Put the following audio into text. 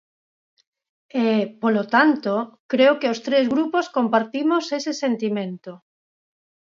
E, polo tanto, creo que os tres grupos compartimos ese sentimento.